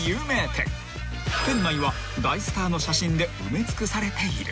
［店内は大スターの写真で埋め尽くされている］